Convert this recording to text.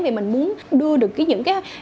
vì mình muốn đưa được những cái